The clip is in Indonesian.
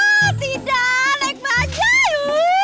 ah tidak naik pajayu